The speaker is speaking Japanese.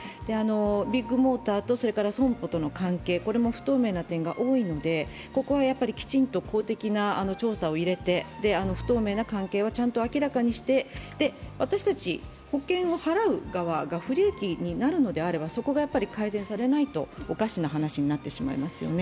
ビッグモーターと損保との関係、これも不透明な点が多いのでここはきちんと公的な調査を入れて不透明な関係はちゃんと明らかにして、私たち、保険を払う側が不利益になるのであればそこが改善されないとおかしな話になってしまいますよね。